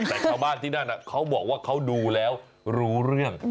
แต่ชาวบ้านที่นั่นเขาบอกว่าเขาดูแล้วรู้เรื่อง